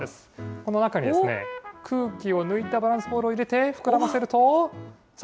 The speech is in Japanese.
この中にですね、空気を抜いたバランスボールを入れて、膨らませると、さあ、